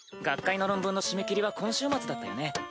学会の論文の締め切りは今週末だったよね？